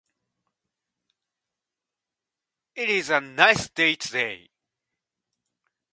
It is a nice day today.